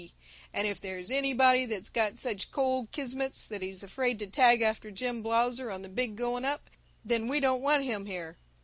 And if there's anybody that's got such cold kismets that he's afraid to tag after Jim Blausser on the Big Going Up, then we don't want him here!